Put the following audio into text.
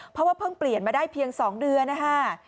เพราะว่าเพิ่งเปลี่ยนมาได้เพียง๒เดือนนะคะ